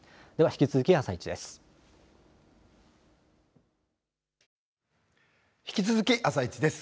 引き続き「あさイチ」です。